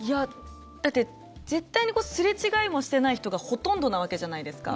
だって絶対にすれ違いもしていない人がほとんどなわけじゃないですか。